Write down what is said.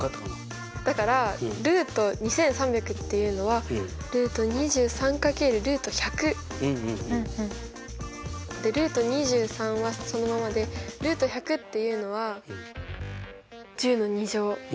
だからルート２３００っていうのはでルート２３はそのままでルート１００っていうのは１０の２乗。